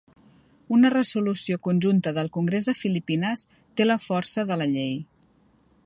Una resolució conjunta del Congrés de Filipines té la força de la llei.